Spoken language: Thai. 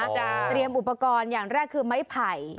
เตรียมอุปกรณ์อย่างแรกคือไม้ไผ่